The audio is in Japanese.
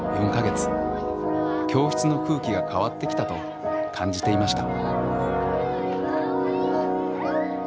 教室の空気が変わってきたと感じていました。